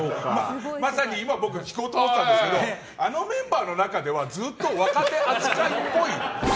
まさに今僕が聞こうと思ったんですけどあのメンバーの中ではずーっと若手扱いっぽい。